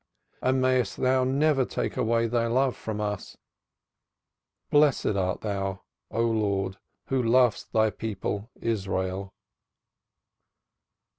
And mayest Thou never take away Thy love from us. Blessed art Thou. O Lord, who lovest Thy people Israel."